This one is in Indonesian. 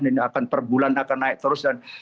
ini akan perbulan akan naik terus